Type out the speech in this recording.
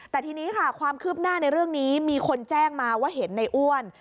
แต่ทีนี้ค่ะความคืบหน้าในเรื่องนี้มีคนแจ้งมาว่าเห็นในอ้วน